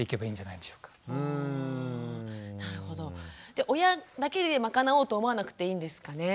じゃ親だけでまかなおうと思わなくていいんですかね？